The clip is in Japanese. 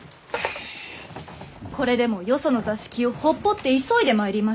これでもよその座敷をほっぽって急いで参りましたよ。